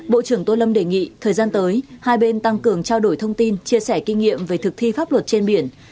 bộ trưởng tô lâm đề nghị thời gian tới hai bên tăng cường trao đổi thông tin chia sẻ kinh nghiệm về thực thi pháp luật trên biển